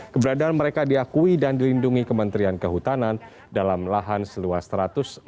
keberadaan mereka diakui dan dilindungi kementerian kehutanan dalam lahan seluas satu ratus empat puluh